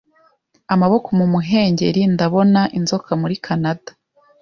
amaboko mumuhengeri Ndabona Inzoka muri Kanada